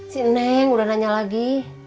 si neng udah nanya lagi